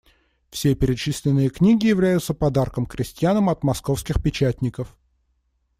Все перечисленные книги являются подарком крестьянам от Московских печатников.